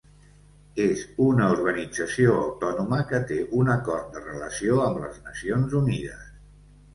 És una organització autònoma que té un acord de relació amb les Nacions Unides.